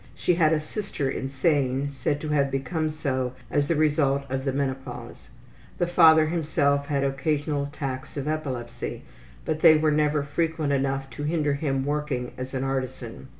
She had a sister insane, said to have become so as the result of the menopause. The father himself had occasional attacks of epilepsy, but they were never frequent enough to hinder him working as an artisan.